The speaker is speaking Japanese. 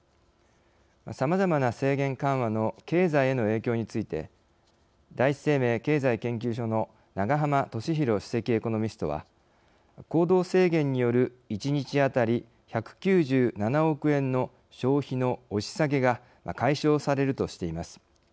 さまざまな制限緩和の経済への影響について第一生命経済研究所の永濱利廣主席エコノミストは行動制限による１日当たり１９７億円の消費の押し下げが解消されるとしています。